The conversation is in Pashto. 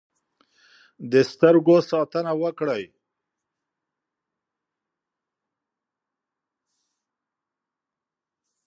د سترګو ساتنه وکړئ.